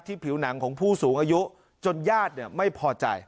ผิวหนังของผู้สูงอายุจนญาติไม่พอใจ